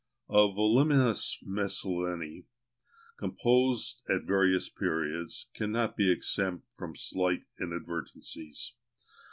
A voluminous miscellany, composed at various periods, cannot be exempt from slight inadvertencies.